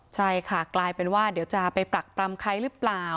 ใช่ค่ะกลายเป็นว่าเดี๋ยวจะไปปรักปรำใครหรือเปล่า